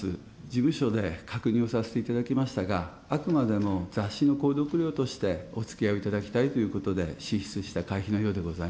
事務所で確認をさせていただきましたが、あくまでも雑誌の購読料として、おつきあいをいただきたいということで支出した会費のようでござ